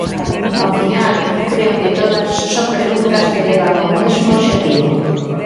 Ao final, creo que todas son preguntas que levan ao mesmo obxectivo.